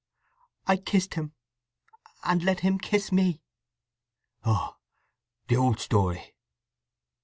"I kissed him, and let him kiss me." "Oh—the old story!"